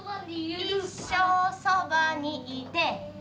「一生そばにいて」